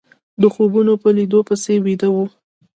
د خوبونو په ليدو پسې ويده يو